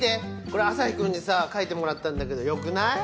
これアサヒくんにさ描いてもらったんだけど良くない？